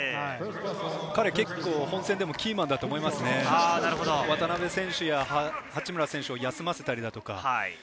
彼、結構本戦でもキーマンだと思いますね、渡邊選手や八村選手を休ませたりだとか。